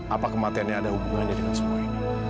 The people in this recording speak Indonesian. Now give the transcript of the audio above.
apa kematiannya ada hubungannya dengan semua ini